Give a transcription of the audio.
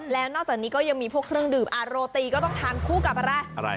แล้วนอกจากนี้ก็ยังมีพวกเครื่องดื่มอาโรตีก็ต้องทานคู่กับอะไร